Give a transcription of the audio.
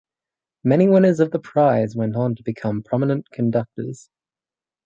Many winners of the prize went on to become prominent conductors.